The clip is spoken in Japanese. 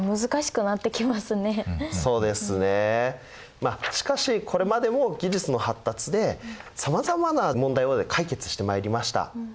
まあしかしこれまでも技術の発達でさまざまな問題を解決してまいりました。